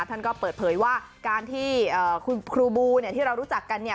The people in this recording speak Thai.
ท่านก็เปิดเผยว่าการที่คุณครูบูเนี่ยที่เรารู้จักกันเนี่ย